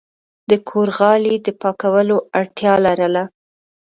د کور غالی د پاکولو اړتیا لرله.